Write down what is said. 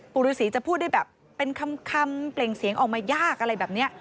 ฤษีจะพูดได้แบบเป็นคำเปล่งเสียงออกมายากอะไรแบบนี้